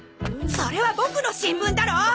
それはボクの新聞だろ！